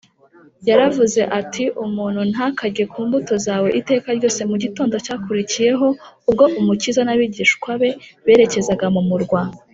yaravuze ati: ‘umuntu ntakarye ku mbuto zawe iteka ryose’ mu gitondo cyakurikiyeho, ubwo umukiza n’abigishwa be berekezaga mu murwa